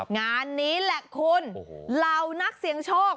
งานนี้แหละคุณเหล่านักเสียงโชค